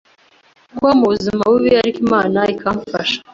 kubaho mu buzima bubi ariko Imana ikamfasha